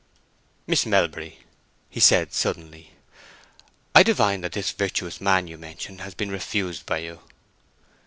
"Miss Melbury," he said, suddenly, "I divine that this virtuous man you mention has been refused by you?"